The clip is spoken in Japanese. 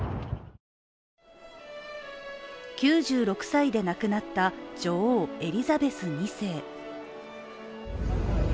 ９６歳で亡くなった女王エリザベス二世。